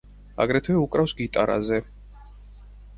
აგრეთვე უკრავს გიტარაზე.